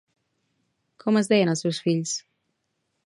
Com es deien els seus fills?